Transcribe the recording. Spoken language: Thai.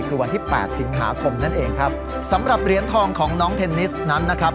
คือวันที่แปดสิงหาคมนั่นเองครับสำหรับเหรียญทองของน้องเทนนิสนั้นนะครับ